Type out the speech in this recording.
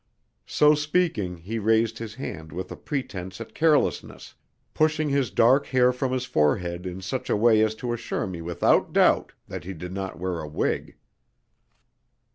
So speaking he raised his hand with a pretence at carelessness, pushing his dark hair from his forehead in such a way as to assure me without doubt that he did not wear a wig.